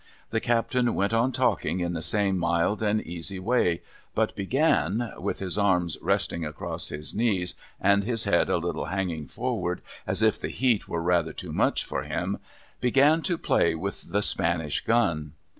The Captain went on talking in the same mild and easy way ; but began — with his arms resting across his knees, and his head a little hanging forward, as if the heat were rather too much for him — began to ]:)lay with the Spanish gun.